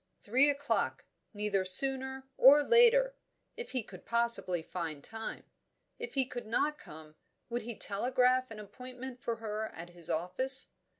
Three o'clock; neither sooner or later; if he could possibly find time. If he could not come, would he telegraph an appointment for her at his office?